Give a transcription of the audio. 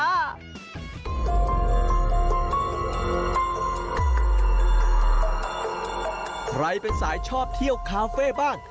ใครเป็นสายชอบเที่ยวคาเฟ่บ้าง